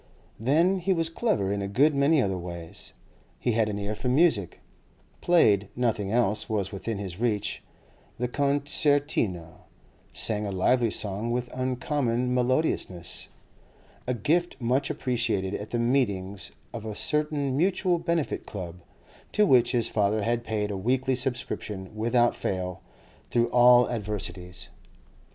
Then he was clever in a good many other ways. He had an ear for music, played (nothing else was within his reach) the concertina, sang a lively song with uncommon melodiousness—a gift much appreciated at the meetings of a certain Mutual Benefit Club, to which his father had paid a weekly subscription, without fail, through all adversities.